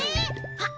あっ